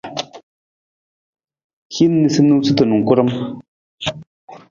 Hin niisaniisatu na karam.